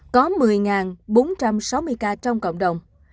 có một mươi bốn trăm sáu mươi ca trong cộng đồng